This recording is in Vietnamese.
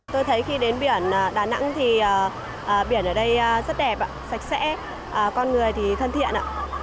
tôi thấy khi đến biển đà nẵng thì biển ở đây rất đẹp sạch sẽ con người thì thân thiện ạ